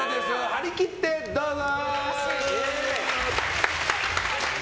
張り切って、どうぞ！